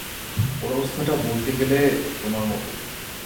ওর অবস্থাটা বলতে গেলে তোমার মতোই।